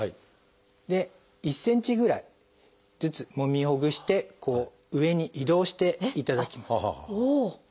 で１ｃｍぐらいずつもみほぐして上に移動していただきます。